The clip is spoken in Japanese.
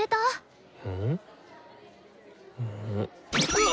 うわ！